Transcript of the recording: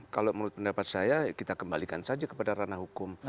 kalau menurut pendapat saya kita kembalikan saja kepada ranah hukum